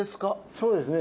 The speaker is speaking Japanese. そうですね。